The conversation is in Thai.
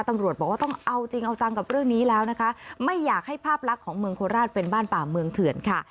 ตำรวจบอกว่าต้องเอาจริงเอาจังกับเรื่องนี้แล้วนะคะไม่อยากให้ภาพลักษณ์ของเมืองโคราชเป็นบ้านป่าเมืองเถื่อนค่ะ